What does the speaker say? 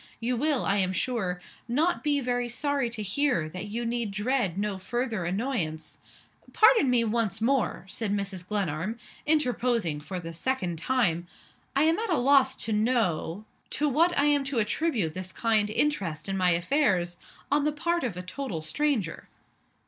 You will, I am sure, not be very sorry to hear that you need dread no further annoyance " "Pardon me once more," said Mrs. Glenarm, interposing for the second time. "I am at a loss to know to what I am to attribute this kind interest in my affairs on the part of a total stranger."